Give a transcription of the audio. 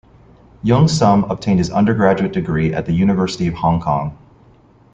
Yeung Sum obtained his undergraduate degree at the University of Hong Kong.